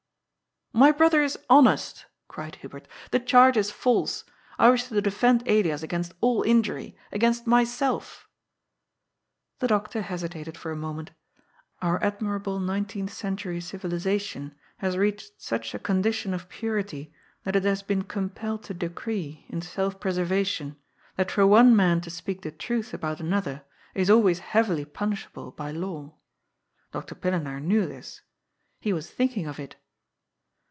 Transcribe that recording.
" My brother is honest," cried Hubert. " The charge is false. I wish to defend Elias against all injury, against myself !" The doctor hesitated for a moment. Our admirable nineteenth century civilization has reached such a condition of purity that it has been compelled to decree, in self preservation, that for one man to speak the truth about an other is always heavily punishable by law. Dr. Pillenaar knew this. He was thinking of it.